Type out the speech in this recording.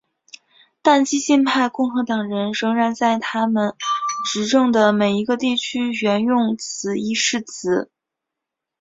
但激进派共和党人仍然在他们执政的每一个地区援用此一誓词。